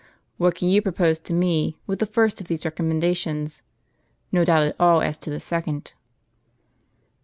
"What can you propose to me, with the first of these recommendations ? No doubt at all as to the second."